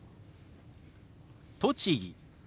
「栃木」。